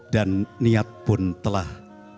dan niat pun telah